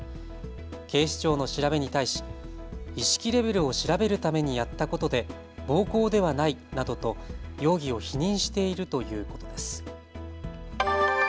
警視庁の調べに対し意識レベルを調べるためにやったことで暴行ではないなどと容疑を否認しているということです。